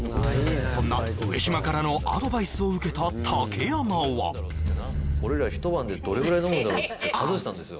そんな上島からのアドバイスを受けた竹山は俺ら一晩でどれぐらい飲むんだろうっつって数えてたんですよ